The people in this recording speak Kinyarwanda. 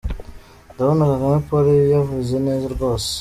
Ndabona Kagame Paul yavuze neza rwose.